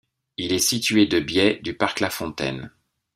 Il est situé de biais du parc Lafontaine.